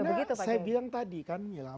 karena saya bilang tadi kan ya lah